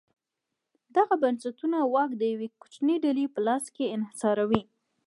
دغه بنسټونه واک د یوې کوچنۍ ډلې په لاس انحصاروي.